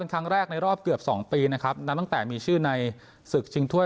เป็นครั้งแรกในรอบเกือบสองปีนะครับหลังจากมีชื่อในศึกชิงท่วย